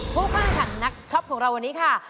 ทุกคนค่ะนักชอบของเราวันนี้ค่ะ